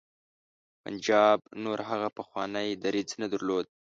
پنجاب نور هغه پخوانی دریځ نه درلود.